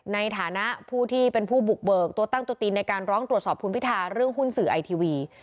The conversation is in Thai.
ในฐานะผู้ที่เป็นผู้บุกเบิกตัวตั้งตัวตีนในการร้องตรวจสอบคุณพิทาเรื่องหุ้นสื่อไอทีวี